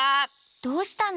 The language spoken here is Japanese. どうしたの？